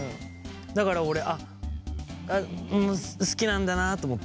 だから俺好きなんだなと思って。